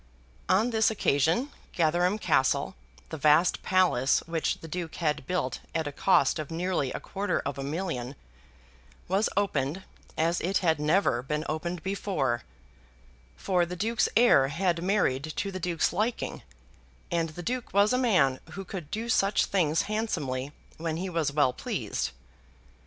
On this occasion Gatherum Castle, the vast palace which the Duke had built at a cost of nearly a quarter of a million, was opened, as it had never been opened before; for the Duke's heir had married to the Duke's liking, and the Duke was a man who could do such things handsomely when he was well pleased.